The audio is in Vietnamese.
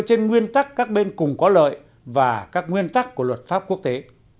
trên nguyên tắc các bên cùng có lợi và các nguyên tắc của luật pháp quốc tế